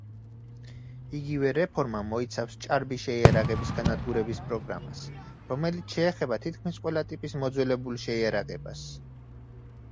იგივე რეფორმა მოიცავს ჭარბი შეიარაღების განადგურების პროგრამას, რომელიც შეეხება თითქმის ყველა ტიპის მოძველებულ შეიარაღებას.